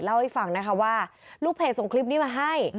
เล่าให้ฟังนะคะว่าลูกเพจส่งคลิปนี้มาให้